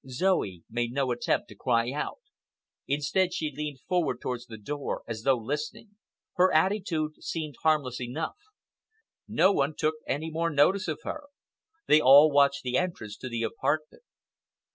Zoe made no attempt to cry out. Instead she leaned forward towards the door, as though listening. Her attitude seemed harmless enough. No one took any more notice of her. They all watched the entrance to the apartment.